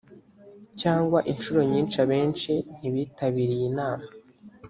cyangwa inshuro nyinshi abenshi ntibitabiriye inama